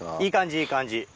いい感じいい感じ。